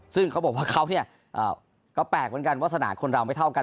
ซึ่งเขาบอกว่าเขาก็แปลกเหมือนกันวาสนาคนเราไม่เท่ากัน